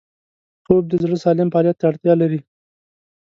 خوب د زړه سالم فعالیت ته اړتیا لري